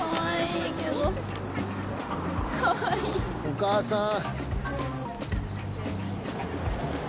お母さん！